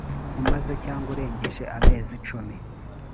umaze cyangwa urengeje amezi cumi